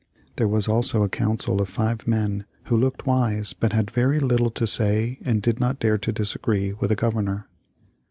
There was also a council of five men who looked wise but had very little to say and did not dare to disagree with the Governor.